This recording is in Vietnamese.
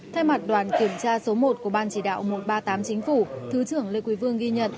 thay mặt đoàn kiểm tra số một của ban chỉ đạo một trăm ba mươi tám chính phủ thứ trưởng lê quý vương ghi nhận